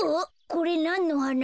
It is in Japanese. これなんのはな？